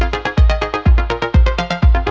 gak ada siapa